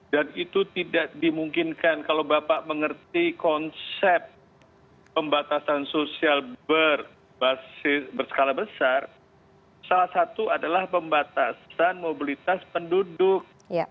dan itu tidak dimungkinkan kalau bapak mengerti konsep pembatasan sosial berskala besar salah satu adalah pembatasan mobilitas penduduk